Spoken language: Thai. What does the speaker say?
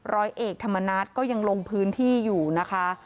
ร้อยเอกธรรมนัฏก็ยังลงพื้นที่อยู่นะคะ